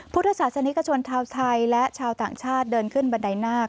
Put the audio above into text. พุทธศาสนิกชนชาวไทยและชาวต่างชาติเดินขึ้นบันไดนาค